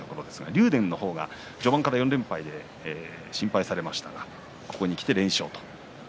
竜電は序盤から４連敗、心配されましたがここにきて連勝。